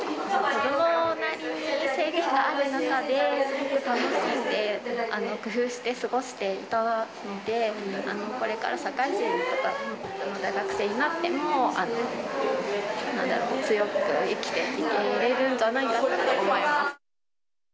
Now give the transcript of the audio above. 子どもなりに、制限がある中で、すごく楽しんで、工夫して過ごしていたんで、これから社会人とか大学生になっても、なんだろう、強く生きていけれるんじゃないかと思います。